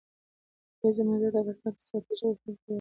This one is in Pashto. د کلیزو منظره د افغانستان په ستراتیژیک اهمیت کې رول لري.